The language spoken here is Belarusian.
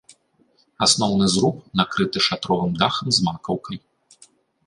Асноўны зруб накрыты шатровым дахам з макаўкай.